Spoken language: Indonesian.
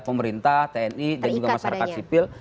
pemerintah tni dan juga masyarakat sipil